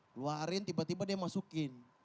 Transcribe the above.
keluarin tiba tiba dia masukin